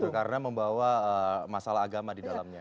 karena membawa masalah agama di dalamnya